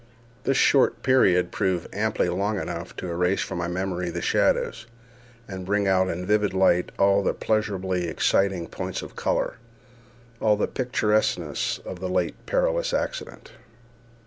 This short period proved amply long enough to erase from my memory the shadows, and bring out in vivid light all the pleasurably exciting points of color, all the picturesqueness, of the late perilous accident.